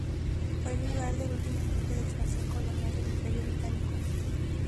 Fue el lugar del último intento de expansión colonial del Imperio británico.